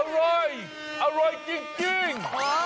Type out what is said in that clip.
อร่อยอร่อยจริง